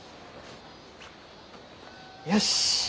よし。